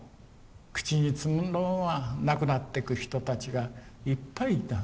口につぐんだまま亡くなってく人たちがいっぱいいた。